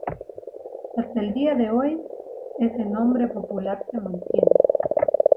Hasta el día de hoy, ese nombre popular se mantiene.